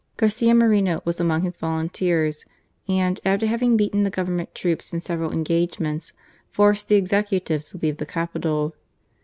Garcia Moreno was among his volunteers and, after having beaten the Government troops in several engagements, forced the executive to leave the capital.